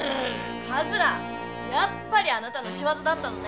やっぱりあなたのしわざだったのね。